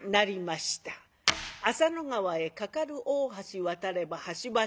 浅野川へ架かる大橋渡れば橋場町。